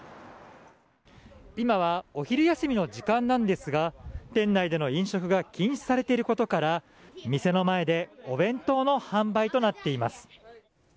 今はお昼休みの時間なんですが店内での飲食が禁止されていることから店の前でお弁当の販売となっています。